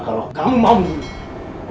kalau kamu mau bunuh